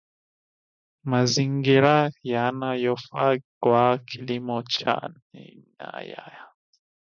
Mazingira yanayofaa kwa kilimo cha nyanya